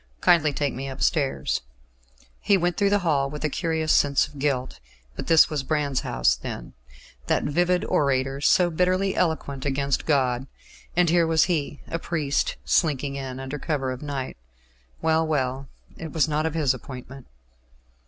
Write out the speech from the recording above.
Kindly take me upstairs." He went through the hall with a curious sense of guilt. This was Brand's house then that vivid orator, so bitterly eloquent against God; and here was he, a priest, slinking in under cover of night. Well, well, it was not of his appointment.